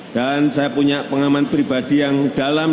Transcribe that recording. saya punya pengaman pribadi yang dalam